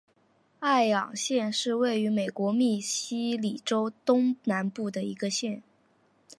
艾昂县是位于美国密苏里州东南部的一个县。